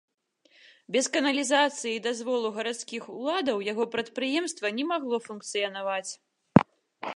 Без каналізацыі і дазволу гарадскіх уладаў яго прадпрыемства не магло функцыянаваць.